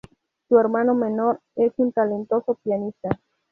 Su hermano menor es un talentoso pianista.